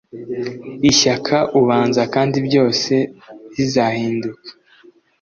Ishyaka ubanza kandi byose bizahinduka.”